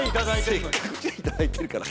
せっかく来ていただいてるから。